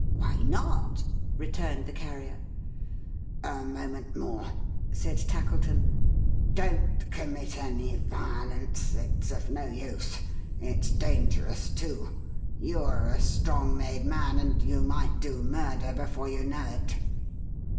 "Why not?" returned the Carrier. "A moment more," said Tackleton. "Don't commit any violence. It's of no use. It's dangerous too. You're a strong made man; and you might do Murder before you know it."